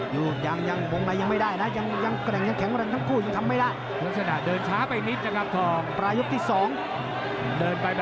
หักสมีแข่งผมแดงเลยนะเนี่ย